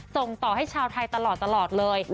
ส่งต่อให้ชาวไทยตลอดเลย